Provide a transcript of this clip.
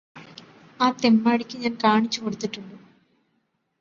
ആ തെമ്മാടിക്ക് ഞാന് കാണിച്ചുകൊടുത്തിട്ടുണ്ട്